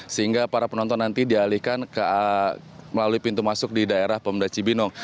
sehingga para penonton nanti dialihkan melalui pintu masuk di daerah pemda cibinong